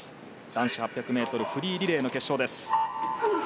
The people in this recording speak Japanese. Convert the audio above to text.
男子８００ｍフリーリレーの決勝です。